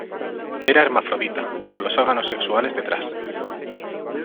Era hermafrodita, con los órganos sexuales detrás.